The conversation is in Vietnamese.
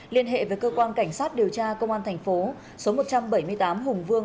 liên hệ với cơ quan cảnh sát điều tra công an thành phố số một trăm bảy mươi tám hùng vương